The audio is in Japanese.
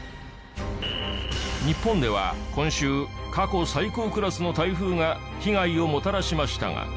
日本では今週過去最高クラスの台風が被害をもたらしましたが。